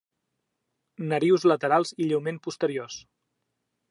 Narius laterals i lleument posteriors.